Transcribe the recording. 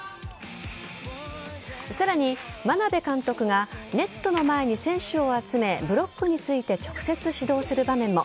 さらに、眞鍋監督がネットの前に選手を集めブロックについて直接指導する場面も。